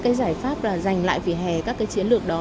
cái giải pháp là dành lại vỉa hè các cái chiến lược đó